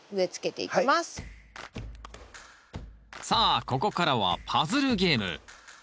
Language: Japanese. さあここからはパズルゲーム。